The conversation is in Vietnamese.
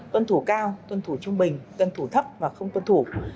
tuân thủ cao tuân thủ trung bình tuân thủ thấp và không tuân thủ